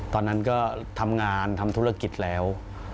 ตอนนั้นก็ทำงานทำธุรกิจแล้ว